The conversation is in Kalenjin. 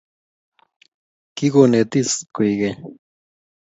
Kigonetis koek keny